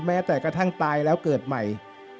แม้แต่กระทั่งตายแล้วเกิดใหม่